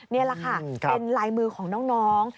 นี่แหละค่ะเป็นลายมือของน้อง